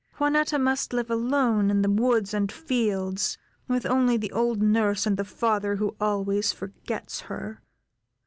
Juanetta must live alone, in the woods and fields, with only the old nurse and the father who always forgets her."